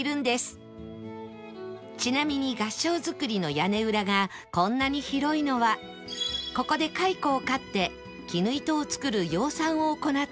ちなみに合掌造りの屋根裏がこんなに広いのはここで蚕を飼って絹糸を作る養蚕を行っていたから